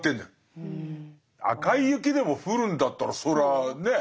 赤い雪でも降るんだったらそらぁねえ？